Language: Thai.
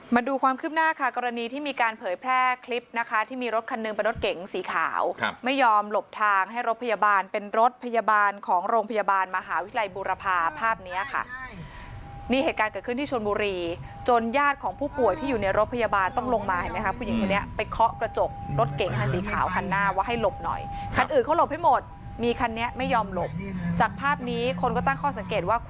มาดูความคึ้มหน้าค่ะกรณีที่มีการเผยแพร่คลิปนะคะที่มีรถคันหนึ่งเป็นรถเก๋งสีขาวไม่ยอมหลบทางให้รถพยาบาลเป็นรถพยาบาลของโรงพยาบาลมหาวิทยาลัยบูรพาภาพนี้ค่ะนี่เหตุการณ์เกิดขึ้นที่ชวนบุรีจนญาติของผู้ป่วยที่อยู่ในรถพยาบาลต้องลงมาเห็นไหมครับผู้หญิงคนนี้ไปเคาะกระจกรถเก๋